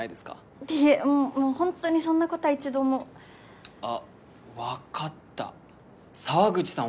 いえもうもうほんとにそんなことは一度もあっ分かった沢口さん